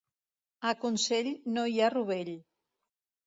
A Consell no hi ha rovell.